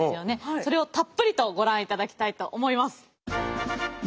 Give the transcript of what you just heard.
それをたっぷりとご覧いただきたいと思います。